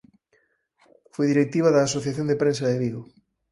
Foi directiva da Asociación da Prensa de Vigo.